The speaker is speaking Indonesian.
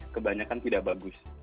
kebanyakan tidak bagus